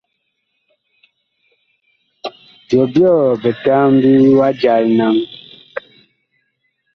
Byɔbyɔɔ bitambi wa jal naŋ ?